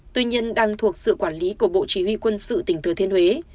tuy nhiên đang thuộc sự quản lý của bộ chỉ huy quân sự tỉnh thừa thiên huế